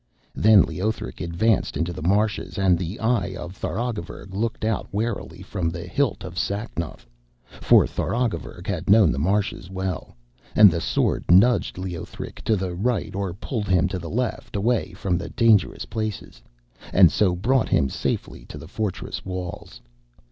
Then Leothric advanced into the marshes, and the eye of Tharagavverug looked out warily from the hilt of Sacnoth; for Tharagavverug had known the marshes well, and the sword nudged Leothric to the right or pulled him to the left away from the dangerous places, and so brought him safely to the fortress walls.